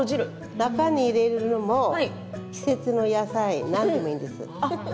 中に入れるものも季節の野菜、何でもいいです。